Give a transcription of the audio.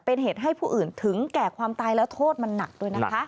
เป็นเหตุให้ผู้อื่นถึงแก่ความตายแล้วโทษมันหนักด้วยนะคะ